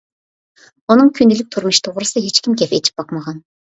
ئۇنىڭ كۈندىلىك تۇرمۇشى توغرىسىدا ھېچكىم گەپ ئېچىپ باقمىغان.